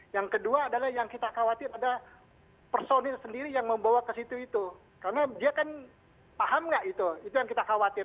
yang kedua adalah yang kita khawatir ada personil sendiri yang membawa ke situ itu karena dia kan paham nggak itu itu yang kita khawatir